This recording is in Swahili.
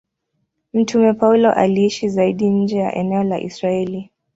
Mtume Paulo aliishi zaidi nje ya eneo la Israeli.